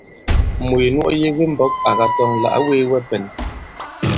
Mùt nu ɔ yek i mbɔ̄k à katɔŋ àlà ǎ wēe wɛ i pɛ̄n.